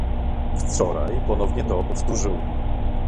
Wczoraj ponownie to powtórzył